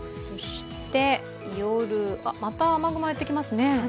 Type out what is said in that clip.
そして夜、また雨雲がやってきますね。